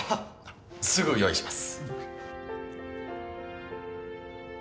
すぐ用意します。